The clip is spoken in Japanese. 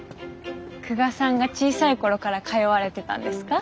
久我さんが小さい頃から通われてたんですか？